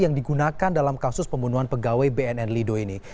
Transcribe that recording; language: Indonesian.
yang digunakan dalam kasus pembunuhan pegawai bnn lido ini